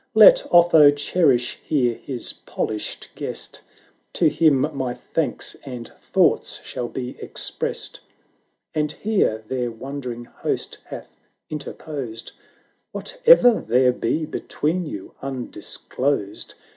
460 Let Otho cherish here his polished guest, To him my thanks and thoughts shall be expressed." And here their wondering host hath in terposed — "Whate'er there be between you un disclosed.